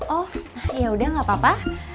oh yaudah gapapa